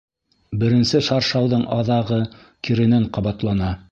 Беренсе шаршауҙың аҙағы киренән ҡабатлана.